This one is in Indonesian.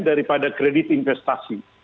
daripada kredit investasi